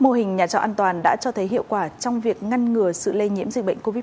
mô hình nhà trọ an toàn đã cho thấy hiệu quả trong việc ngăn ngừa sự lây nhiễm dịch bệnh covid một mươi